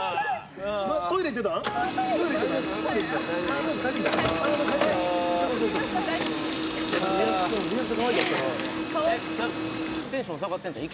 トイレ行ってたん？